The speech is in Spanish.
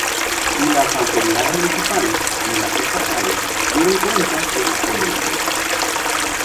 Ni las autoridades municipales, ni las estatales, dieron cuenta y razón de los hechos.